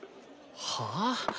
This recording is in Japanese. はあ？